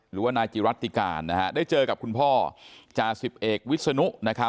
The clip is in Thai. หรือว่านายจิรัติการได้เจอกับคุณพ่อจาสิบเอกวิศนุ